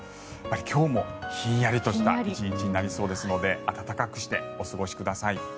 今日もひんやりとした１日になりそうですので暖かくしてお過ごしください。